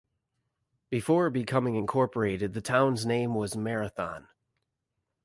Before becoming incorporated the town's name was Marathon.